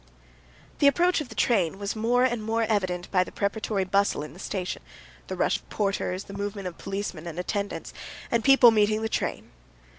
The approach of the train was more and more evident by the preparatory bustle in the station, the rush of porters, the movement of policemen and attendants, and people meeting the train.